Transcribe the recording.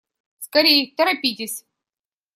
Скорей, торопитесь!